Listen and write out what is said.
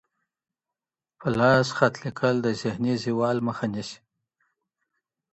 په لاس خط لیکل د ذهني زوال مخه نیسي.